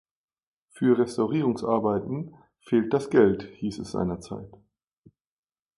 Für Restaurierungsarbeiten fehlt das Geld, hieß es seinerzeit.